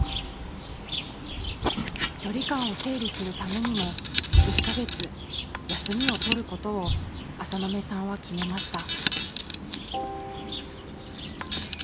距離感を整理するためにも１か月休みを取ることを浅野目さんは決めました。